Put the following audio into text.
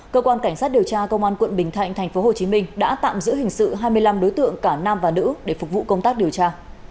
cơ quan cảnh sát điều tra công an quận bình thạnh tp hcm đã tạm giữ hình sự hai mươi năm đối tượng cả nam và nữ để phục vụ công tác điều tra